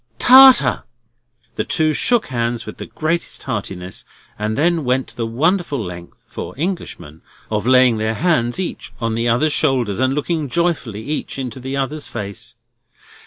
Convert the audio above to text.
Tartar!" The two shook hands with the greatest heartiness, and then went the wonderful length—for Englishmen—of laying their hands each on the other's shoulders, and looking joyfully each into the other's face.